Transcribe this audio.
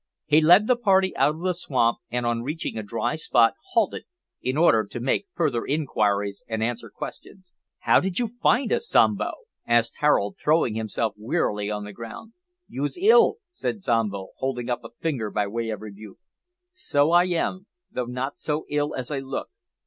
He led the party out of the swamp, and, on reaching a dry spot, halted, in order to make further inquiries and answer questions. "How did you find us, Zombo?" asked Harold, throwing himself wearily on the ground. "Yoos ill," said Zombo, holding up a finger by way of rebuke. "So I am, though not so ill as I look.